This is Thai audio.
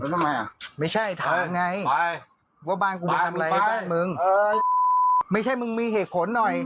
ทำไมอ่ะไม่ใช่ถามไงว่าบ้านกูมึงทำอะไรบ้านมึงเอ้ยไม่ใช่มึงมีเหตุผลหน่อย